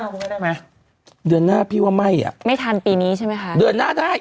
คุณแม่ได้ไหมเดือนหน้าพี่ว่าไม่อ่ะไม่ทันปีนี้ใช่ไหมคะเดือนหน้าได้